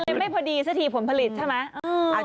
มันไม่พอดีสถิคผลผลิตใช่ไหม